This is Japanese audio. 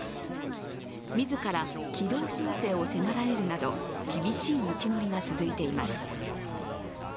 自ら軌道修正を迫られるなど厳しい道のりが続いています。